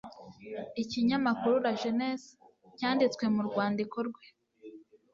icyinyamakuru LA JEUNESSE cyanditse mu rwandiko rwe